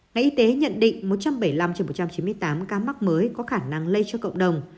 ngành y tế nhận định một trăm bảy mươi năm trên một trăm chín mươi tám ca mắc mới có khả năng lây cho cộng đồng